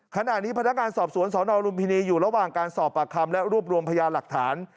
ขณะนี้พนักงานสอบสวนสนลุมพินีอยู่ระหว่างการสอบปากคำและรวบรวมพยานหลักฐาน